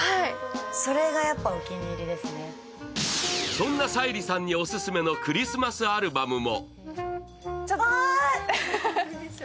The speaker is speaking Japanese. そんな沙莉さんにオススメのクリスマスアルバムも。